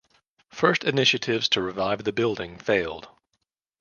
First initiatives to revive the building failed.